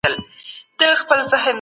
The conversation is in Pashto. څوک د ټولني قوانین جوړوي؟